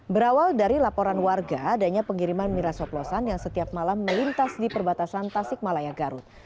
berawal dari laporan warga adanya pengiriman miras hoplosan yang setiap malam melintas di perbatasan tasik malaya garut